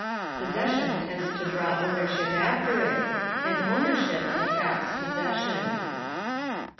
Possession tends to draw ownership after it, and ownership attracts possession.